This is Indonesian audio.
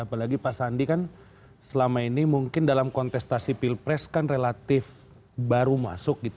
apalagi pak sandi kan selama ini mungkin dalam kontestasi pilpres kan relatif baru masuk